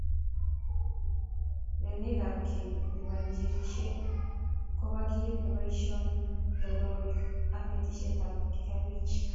Remakab keny nebo nchirenik kobo kiit neboisyindoi lolonik, ak netisiekab kibich.